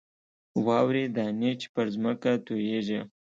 واورې دانې چې پر ځمکه تویېږي.